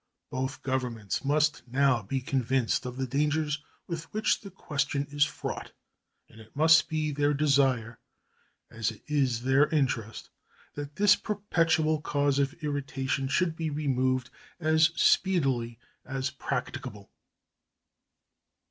Both Governments must now be convinced of the dangers with which the question is fraught, and it must be their desire, as it is their interest, that this perpetual cause of irritation should be removed as speedily as practicable.